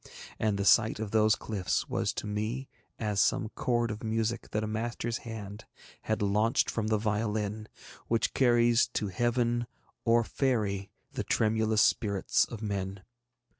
And the sight of those cliffs was to me as some chord of music that a master's hand had launched from the violin, and which carries to Heaven or Faery the tremulous spirits of men.